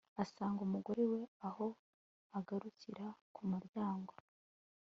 asanga umugore we aho agaragurika ku muryango